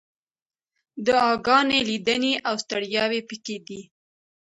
دعاګانې، لیدنې، او ستړیاوې پکې دي.